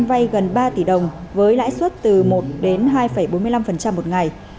vay gần ba tỷ đồng với lãi suất từ một đến hai bốn mươi năm một ngày